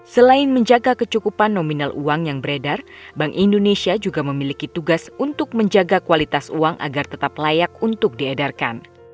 selain menjaga kecukupan nominal uang yang beredar bank indonesia juga memiliki tugas untuk menjaga kualitas uang agar tetap layak untuk diedarkan